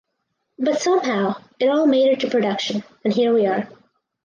But somehow it all made it to production and here we are.